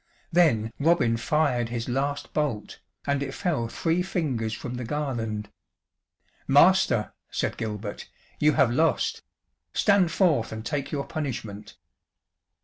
Then Robin fired his last bolt, and it fell three fingers from the garland. "Master," said Gilbert, "you have lost, stand forth and take your punishment."